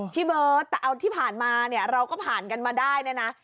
พี่เบิร์ตแต่เอาที่ผ่านมาเนี่ยเราก็ผ่านกันมาได้เนี่ยนะ